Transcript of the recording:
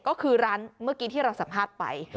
ก็คือร้านเมื่อกี้ที่เราสัมภาษณ์ไป